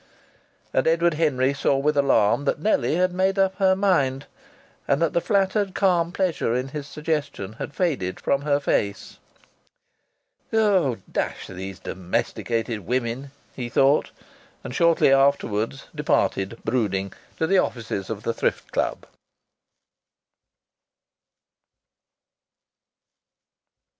And Edward Henry saw with alarm that Nellie had made up her mind, and that the flattered calm pleasure in his suggestion had faded from her face. "Oh! Dash these domesticated women!" he thought, and shortly afterwards departed, brooding, to the offices of the Thrift Club.